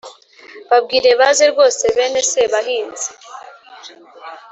babwire baze rwose! bene sebahinzi